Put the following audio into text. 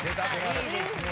いいですね。